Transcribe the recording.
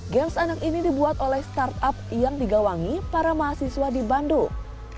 games anak ini dibuat oleh startup yang digawangi para mahasiswa di bandung